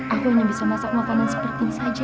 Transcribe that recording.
aku hanya bisa masak makanan seperti ini saja